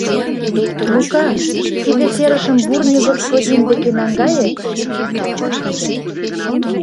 — Лука, тиде серышым Бурни господин деке наҥгае, — каласыш тудо.